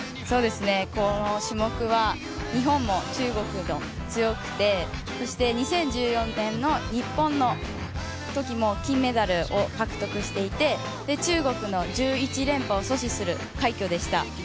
この種目は日本も中国も強くて、そして２０１４年の日本のときも金メダルを獲得していて、中国の１１連覇を阻止する快挙でした。